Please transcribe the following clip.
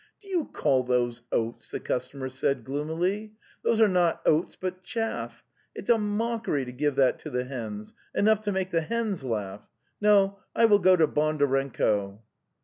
'"Do you call those oats?" the customer said gloomily. '' Those are not oats, but chaff. It's a mockery to give that to the hens; enough to make the hens laugh. ... No, I will go to Bondarenko."